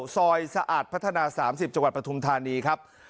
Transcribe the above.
สะอาดพัฒนา๓๐จังหวัดปฐุมธานีครับ